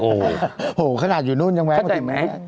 โอ้โหขนาดอยู่นู่นยังแว้งไว้อะไร